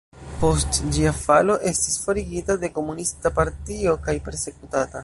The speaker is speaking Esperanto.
Post ĝia falo estis forigita de komunista partio kaj persekutata.